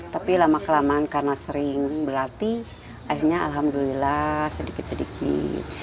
tapi lama kelamaan karena sering berlatih akhirnya alhamdulillah sedikit sedikit